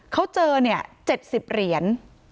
เขาเจอ๗๐เหรียญ